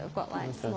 そう。